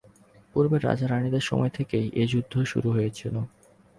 পূর্বের রাজা-রাণীদের সময় থেকেই এই যুদ্ধ শুরু হয়েছিল।